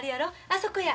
あそこや。